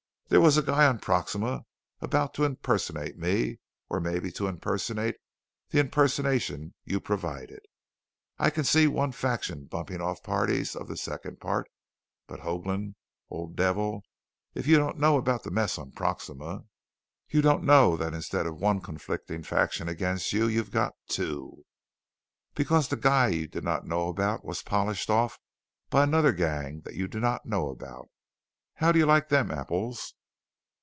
"There was a guy on Proxima about to impersonate me or maybe impersonate the impersonation you provided. I can see one faction bumping off parties of the second part. But Hoagland, old devil, if you don't know about the mess on Proxima, you don't know that instead of one conflicting faction against you, you've got two! "Because the guy you did not know about was polished off by another gang that you do not know about! How do you like them apples?"